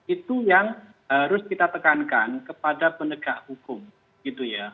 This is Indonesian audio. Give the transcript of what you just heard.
itu yang harus kita tekankan kepada penegak hukum gitu ya